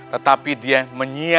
tetapi dia menyia nyiakan